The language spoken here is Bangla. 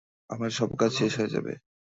আজ সব কাজ শেষ হয়ে যাবে।